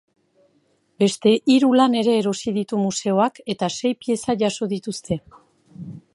Beste hiru lan ere erosi ditu museoak, eta sei pieza jaso dituzte.